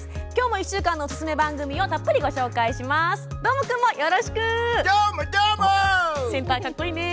１週間のおすすめ番組をきょうもたっぷりご紹介します。